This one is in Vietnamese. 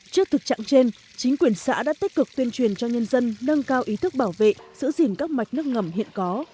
trước thực trạng trên chính quyền xã đã tích cực tuyên truyền cho nhân dân nâng cao ý thức bảo vệ giữ gìn các mạch nước ngầm hiện có